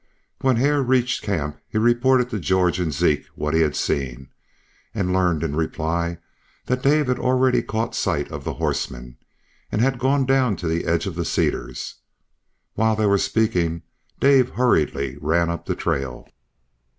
When Hare reached camp he reported to George and Zeke what he had seen, and learned in reply that Dave had already caught sight of the horsemen, and had gone down to the edge of the cedars. While they were speaking Dave hurriedly ran up the trail.